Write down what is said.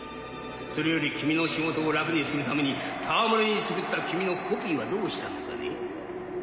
それより君の仕事を楽にするためにたわむれに作った君のコピーはどうしたのかね？